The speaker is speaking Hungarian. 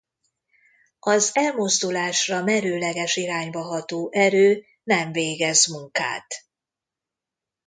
Az elmozdulásra merőleges irányba ható erő nem végez munkát.